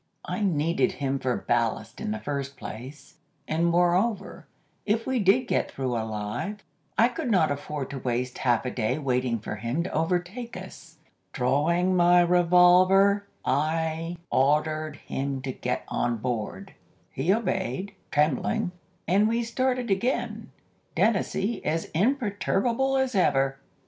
I needed him for ballast in the first place, and moreover, if we did get through alive, I could not afford to waste half a day waiting for him to overtake us. Drawing my revolver, I ordered him to get on board. He obeyed, trembling, and we started again, Dennazee as imperturbable as ever. [Illustration: SHOOTING A FALL.